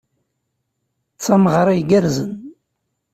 D tameɣra igerrzen.